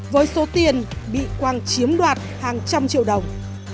với số tiền bị quang chiếm đoạt hàng trăm triệu đồng